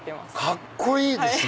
カッコいいですね！